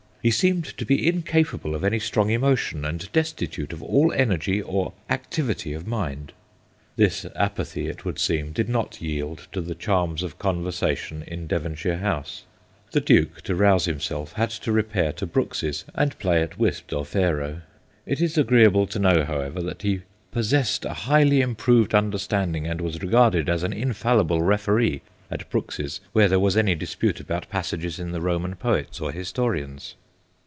He seemed to be in capable of any strong emotion, and destitute of all energy or activity of mind/ This apathy, it would seem, did not yield to the charms of conversation in Devonshire House; THE CALM DUKE 35 the Duke, to rouse himself, had to repair to Brooks's and play at whist or faro. It is agreeable to know, however, that he c pos sessed a highly improved understanding, and was regarded as an infallible referee at Brooks's when there was any dispute about passages in the Roman poets or historians.